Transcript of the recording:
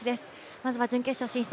まずは準決勝進出